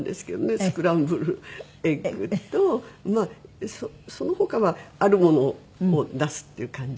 スクランブルエッグとまあその他はあるものを出すっていう感じ。